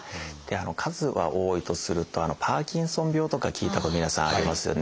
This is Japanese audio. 数は多いとすると「パーキンソン病」とか聞いたこと皆さんありますよね。